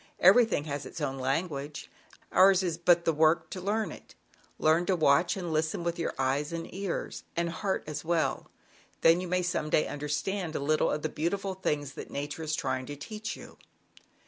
Everything has its own language. Ours is but the work to learn it: learn to watch and listen kJ^^wWjy with your eyes and ears, and heart as well, then you may some day understand a little of the beautiful things that o Nature is trying to teach you."